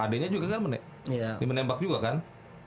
adanya juga kan menembak juga kan